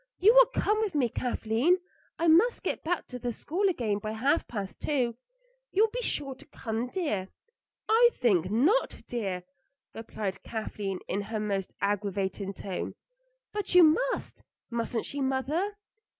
You will come with me, Kathleen? I must get back to the school again by half past two. You will be sure to come, dear?" "I think not, dear," replied Kathleen in her most aggravating tone. "But you must. Mustn't she, mother?"